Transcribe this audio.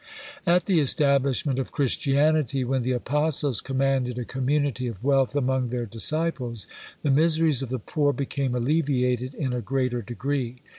At the establishment of Christianity, when the apostles commanded a community of wealth among their disciples, the miseries of the poor became alleviated in a greater degree.